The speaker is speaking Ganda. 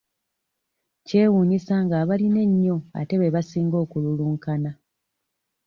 Kyewuunyisa ng'abalina ennyo ate be basinga okululunkana.